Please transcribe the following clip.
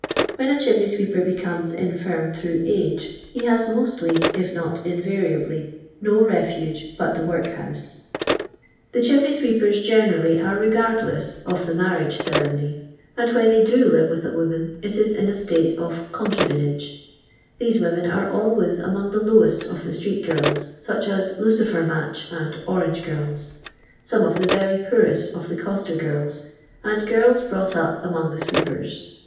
Whrn a chimney swerper ' brionii s intirni through age, he has mostly, it not I invariably, no refuge but the workhouse. I 7'A. rhi),>ui if ifir.'ifici's ijtneralhf ore rtyniullcin^ tij the ma> lufjc rtrcnion>/. and when they do IIm' with a woman it is in a state of concubinnire. These women are always amonp tin* lowest of the Ntroct girls such as lucifer niatch and orange girls, honu" of thi' very poorrst of the coster girls, and 1,'irls brought up amon^' the sweepers.